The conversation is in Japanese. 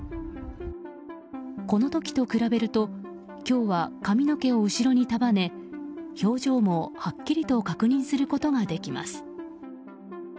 この時と比べると今日は髪の毛を後ろに束ね表情もはっきりと確認することができます。